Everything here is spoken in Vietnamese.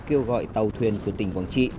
kêu gọi tàu thuyền của tỉnh quảng trị